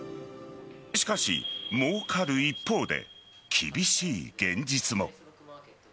しかし、もうかる一方で厳しい現実も。